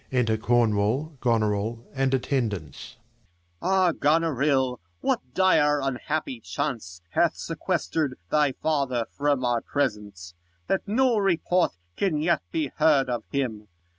Enter Cornwall, Gonorill, and attendants. Com. Ah, Gonorill, what dire unhappy chance Hath sequestered thy father from our presence, That no report can yet be heard of him